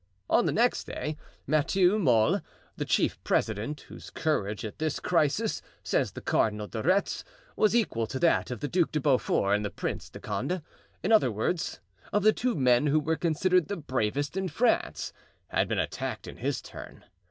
On the next day Mathieu Molé, the chief president, whose courage at this crisis, says the Cardinal de Retz, was equal to that of the Duc de Beaufort and the Prince de Condé—in other words, of the two men who were considered the bravest in France—had been attacked in his turn.